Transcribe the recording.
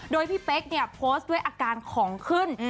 โดยพี่เป๊กเนี่ยโพสต์ด้วยอาการของขึ้น